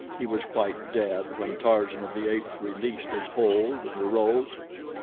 He was quite dead when Tarzan of the Apes released his hold and arose.